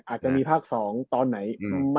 อาจจะมีภาค๒ตอนไหน